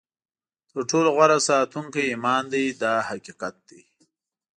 تر ټولو غوره ساتونکی ایمان دی دا حقیقت دی.